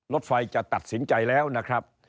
รถไฟจะตัดสินใจแล้วนะครับ